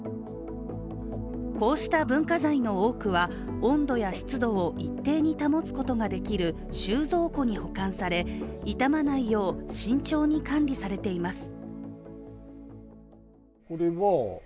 こうした文化財の多くは温度や湿度を一定に保つことができる収蔵庫に保管され、傷まないよう慎重に管理されています。